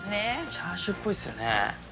チャーシューっぽいですよね。